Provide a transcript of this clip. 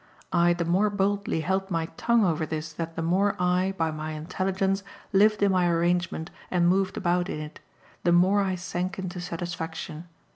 I the more boldly held my tongue over this that the more I, by my intelligence, lived in my arrangement and moved about in it, the more I sank into satisfaction.